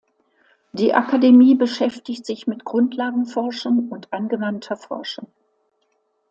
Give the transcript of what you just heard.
Die Akademie beschäftigt sich mit Grundlagenforschung und angewandter Forschung.